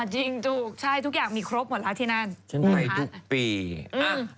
ใช่ทุกอย่างมีครบหมดที่นั้น